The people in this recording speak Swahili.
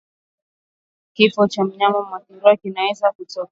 Kifo kwa mnyama muathirika kinaweza kutokea